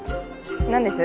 何です？